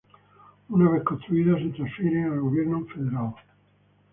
Una vez construida, se transfiere al gobierno federal.